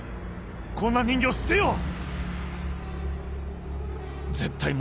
こんな人形捨てよう